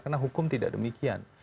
karena hukum tidak demikian